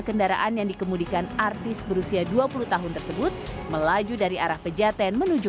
kendaraan yang dikemudikan artis berusia dua puluh tahun tersebut melaju dari arah pejaten menuju